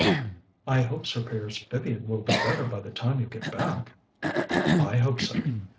"I hope Sir Piers Vivian will be better by the time you get back." "I hope so.